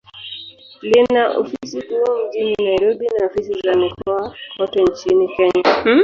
Lina ofisi kuu mjini Nairobi, na ofisi za mikoa kote nchini Kenya.